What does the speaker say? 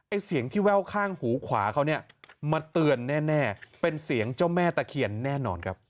เสียงที่แว่วข้างหูขวาเขาเนี่ยมาเตือนแน่เป็นเสียงเจ้าแม่ตะเคียนแน่นอนครับ